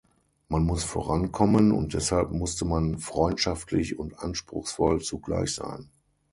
Man muss vorankommen, und deshalb musste man freundschaftlich und anspruchsvoll zugleich sein.